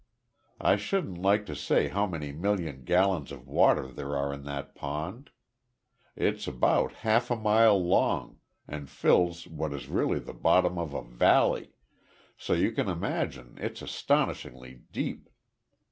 I shouldn't like to say how many million gallons of water there are in that pond. It's about half a mile long, and fills what is really the bottom of a valley, so you can imagine it's astonishingly deep."